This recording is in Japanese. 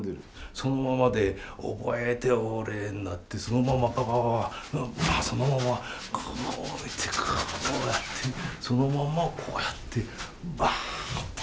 そのままで「覚えておれ」になってそのままばばばばそのままこう行ってこうやってそのままこうやってばたってすんの。